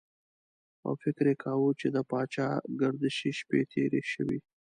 او فکر یې کاوه چې د پاچاګردشۍ شپې تېرې شوې.